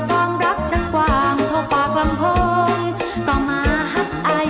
ฟังรับชะกวางเพราะฝากลำโพงต่อมาฮักอาย